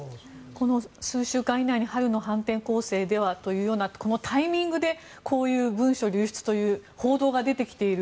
この数週間以内に春の反転攻勢ではというようなこのタイミングでこういう文書流出という報道が出てきている。